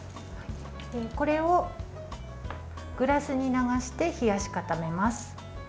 これをグラスに流して冷やし固めます。